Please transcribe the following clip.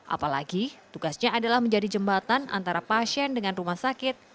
apalagi tugasnya adalah menjadi jembatan antara pasien dengan rumah sakit